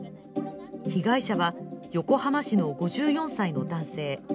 被害者は横浜市の５４歳の男性。